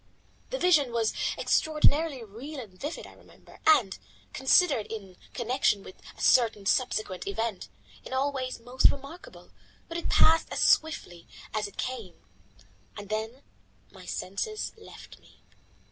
The vision was extraordinarily real and vivid, I remember, and, considered in connection with a certain subsequent event, in all ways most remarkable, but it passed as swiftly as it came. Then my senses left me.